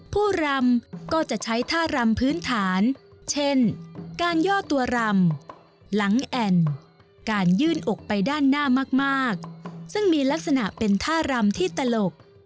ผู้รำก็จะใช้ท่ารำพื้นฐานเช่นการย่อตัวรำหลังแอ่นการยื่นอกไปด้านหน้ามากซึ่งมีลักษณะเป็นท่ารำที่ตลก